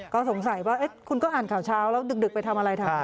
ก็สงสัยว่าคุณก็อ่านข่าวเช้าแล้วดึกไปทำอะไรทำ